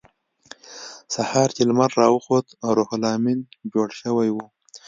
سهار چې لمر راوخوت روح لامین جوړ شوی و